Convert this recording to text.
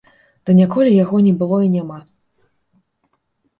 Ды ніколі яго не было і няма!